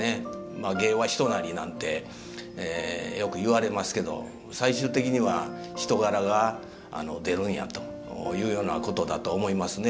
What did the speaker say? まあ「芸は人なり」なんてよくいわれますけど最終的には人柄が出るんやというようなことだと思いますね。